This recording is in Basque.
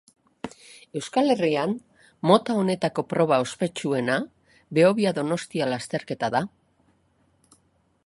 Euskal Herrian, mota honetako proba ospetsuena Behobia-Donostia lasterketa da.